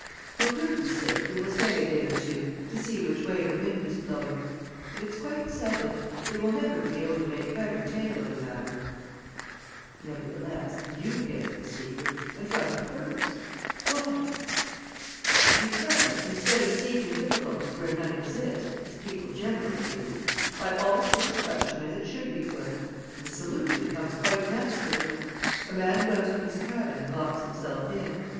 For prudence sake we will stay a day or two, to see which way the wind is blowing. But it's quite settled: they will never be able to make head or tail of the matter." "Nevertheless, you guessed the secret and from the first. Why?" "Because, instead of seeking difficulties where none exist, as people generally do, I always put the question as it should be put; and the solution comes quite naturally. A man goes to his cabin and locks himself in.